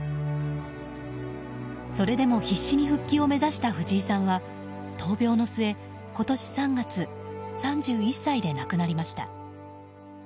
それでも必死に復帰を目指した藤井さんは闘病の末、今年３月３１歳で亡くなりました。